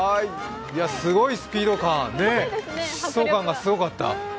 すごいスピード感、疾走感がすごかった。